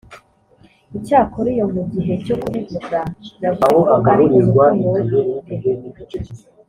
icyakora iyo mu gihe cyo kubivuga yavuze ko ari umutungo we bwite